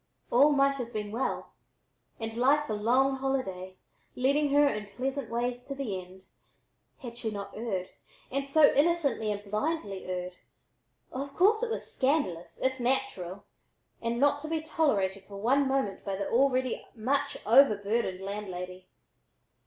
All might have been well, and life a long holiday, leading her in pleasant ways to the end, had she not erred, and so innocently and blindly erred. Of course it was scandalous, if natural, and not to be tolerated for one moment by the already much overburdened landlady.